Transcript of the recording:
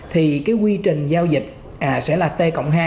thì cái quy trình giao dịch sẽ là t cộng hai